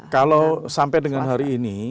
kalau sampai dengan hari ini